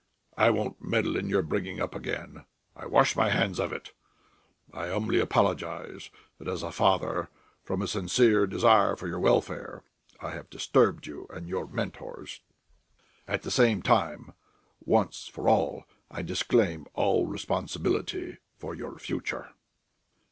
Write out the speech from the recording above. "I won't meddle in your bringing up again. I wash my hands of it! I humbly apologise that as a father, from a sincere desire for your welfare, I have disturbed you and your mentors. At the same time, once for all I disclaim all responsibility for your future...."